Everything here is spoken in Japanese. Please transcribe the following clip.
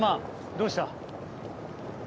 どうした？